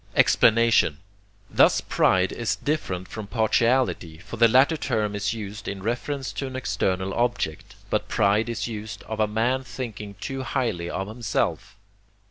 Explanation Thus pride is different from partiality, for the latter term is used in reference to an external object, but pride is used of a man thinking too highly of himself.